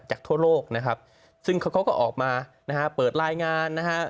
ทั่วโลกนะครับซึ่งเขาก็ออกมานะฮะเปิดรายงานนะฮะ